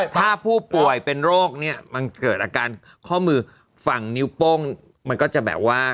ถ้าผู้ป่วยเป็นโรคเนี่ยมันเกิดอาการข้อมือฝั่งนิ้วโป้งมันก็จะแบบว่า